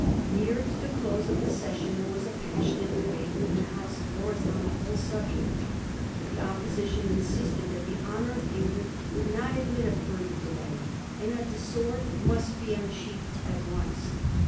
Near to the close of the session there was a passionate debate in the House of Lords on the whole subject. The Oppo sition insisted that the honor of England would not admit of further delay, and that the sword must be un sheathed at once.